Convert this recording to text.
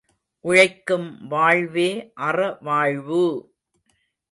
உழைக்கும் வாழ்வே அறவாழ்வு!